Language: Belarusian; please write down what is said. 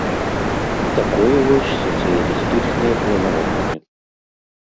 Такое вось сацыялістычнае планаванне.